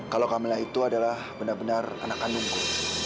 kalau kamela itu adalah benar benar anak kandungku